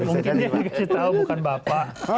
mungkin yang dikasih tahu bukan bapak